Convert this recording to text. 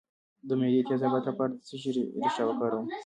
د معدې د تیزابیت لپاره د څه شي ریښه وکاروم؟